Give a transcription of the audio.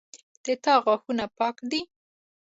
د تا غاښونه پاک دي